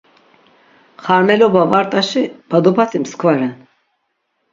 Xarmeloba va rt̆aşi badobati mskva ren.